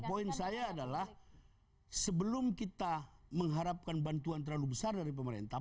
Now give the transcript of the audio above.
poin saya adalah sebelum kita mengharapkan bantuan terlalu besar dari pemerintah